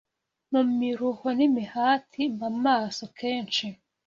mu miruho n’imihati; mba maso kenshi